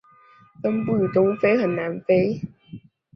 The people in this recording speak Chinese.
分布于东非和南非。